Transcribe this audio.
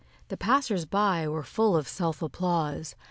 The passers by were full of self applause.